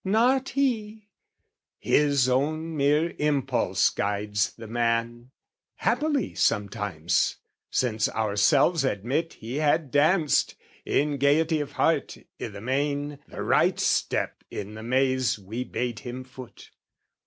Not he: his own mere impulse guides the man Happily sometimes, since ourselves admit He had danced, in gaiety of heart, i' the main The right step in the maze we bade him foot.